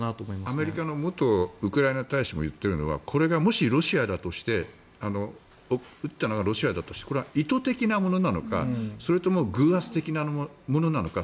アメリカの元ウクライナ大使も言っているのはこれがもし撃ったのがロシアだとして意図的なものなのかそれとも偶発的なものなのか